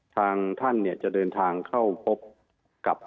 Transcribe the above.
ทางท่านเนี่ยจะเดินทางเข้าพบกับ